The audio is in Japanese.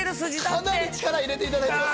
かなり力入れていただいてますよね？